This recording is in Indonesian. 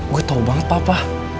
gue tau banget papa